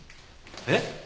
えっ？